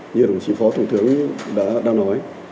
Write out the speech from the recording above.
như đồng chí phó thủng thướng đã nói